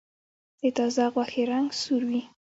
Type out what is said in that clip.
د تازه غوښې رنګ سور وي.